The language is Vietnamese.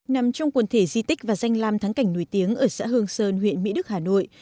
nằm trong quần thể di tích và danh lam thắng cảnh nổi tiếng ở xã hương sơn huyện mỹ đức hà nội